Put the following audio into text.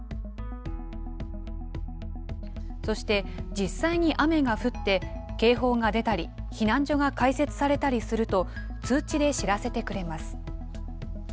そして、実際に雨が降って、警報が出たり、避難所が開設されたりすると、通知で知らせてくれます。